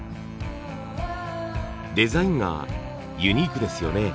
デザインがユニークですよね。